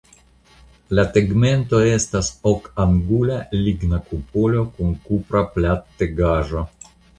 La tegmento estas okangula ligna kupolo kun kupra plattegaĵo.